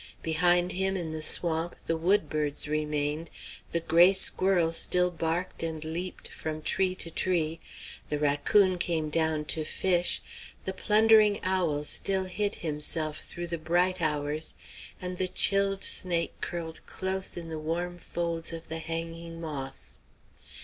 Behind him in the swamp the wood birds remained, the gray squirrel still barked and leaped from tree to tree, the raccoon came down to fish, the plundering owl still hid himself through the bright hours, and the chilled snake curled close in the warm folds of the hanging moss.